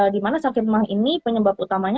di mana sakit mah ini penyebab utamanya